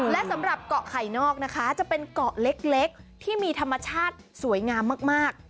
และสำหรับเกาะไข่นอกนะคะจะเป็นเกาะเล็กที่มีธรรมชาติสวยงามมาก